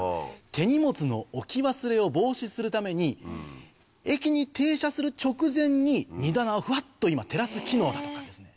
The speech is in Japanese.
手荷物の置き忘れを防止するために駅に停車する直前に荷棚をフワっと今照らす機能だとかですね。